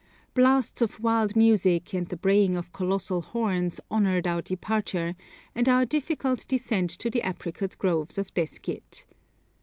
Blasts of wild music and the braying of colossal horns honoured our departure, and our difficult descent to the apricot groves of Deskyid.